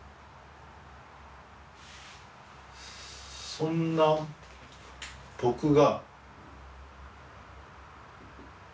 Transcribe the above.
そんな僕が。